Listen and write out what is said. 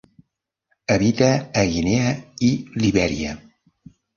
Habita a Guinea i Libèria.